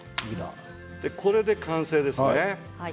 これで完成です。